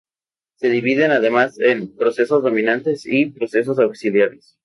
Se dividen además en: procesos dominantes y procesos auxiliares.